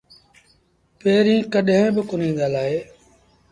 پيريݩ ڪڏهين با ڪونهيٚ ڳآلآئي